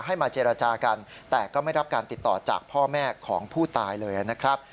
ให้มาเจรจากันแต่ก็ไม่รับการติดต่อจากพ่อแม่ของผู้ตายเลยนะครับ